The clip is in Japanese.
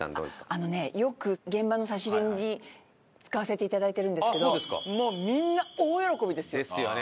あのねよく現場の差し入れに使わせて頂いてるんですけどもうみんな大喜びですよ。ですよね。